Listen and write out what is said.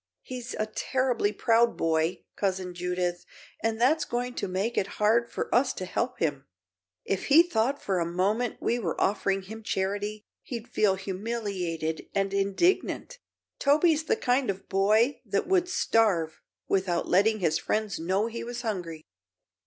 He's a terribly proud boy, Cousin Judith, and that's going to make it hard for us to help him. If he thought for a moment we were offering him charity, he'd feel humiliated and indignant. Toby's the kind of boy that would starve without letting his friends know he was hungry."